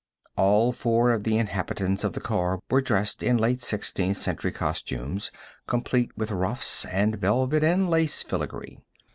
All four of the inhabitants of the car were dressed in late Sixteenth Century costumes, complete with ruffs and velvet and lace filigree.